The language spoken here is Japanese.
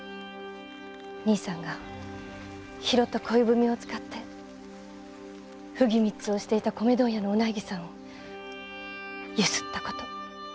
兄さんが拾った恋文を使って不義密通をしていた米問屋のお内儀さんをゆすった事。